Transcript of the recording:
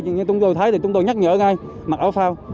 nhưng khi chúng tôi thấy thì chúng tôi nhắc nhở ngay mặc áo phao